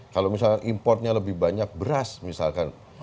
kalau misalnya importnya lebih banyak beras misalkan